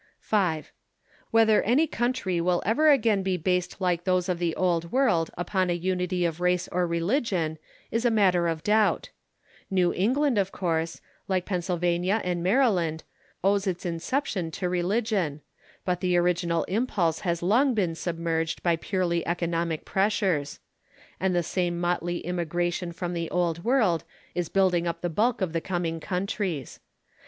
V Whether any country will ever again be based like those of the Old World upon a unity of race or religion is a matter of doubt. New England, of course, like Pennsylvania and Maryland, owes its inception to religion, but the original impulse has long been submerged by purely economic pressures. And the same motley immigration from the Old World is building up the bulk of the coming countries.